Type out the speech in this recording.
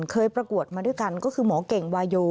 ประกวดมาด้วยกันก็คือหมอเก่งวาโย